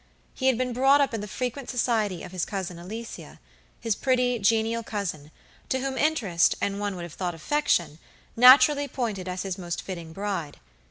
He had been brought up in the frequent society of his cousin, Aliciahis pretty, genial cousinto whom interest, and one would have thought affection, naturally pointed as his most fitting bride.